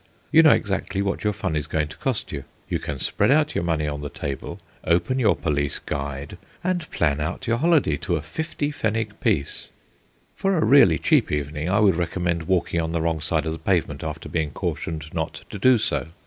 You know exactly what your fun is going to cost you. You can spread out your money on the table, open your Police Guide, and plan out your holiday to a fifty pfennig piece. For a really cheap evening, I would recommend walking on the wrong side of the pavement after being cautioned not to do so.